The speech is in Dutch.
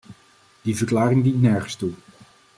Die verklaring dient nergens toe!